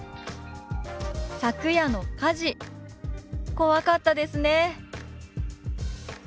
「昨夜の火事怖かったですね」。